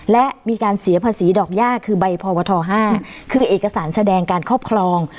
และมีการเสียภาษีดอกย่าคือใบพวท๕คือเอกสารแสดงการครอบครอง